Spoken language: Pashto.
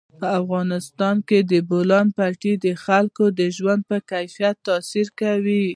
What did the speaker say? په افغانستان کې د بولان پټي د خلکو د ژوند په کیفیت تاثیر کوي.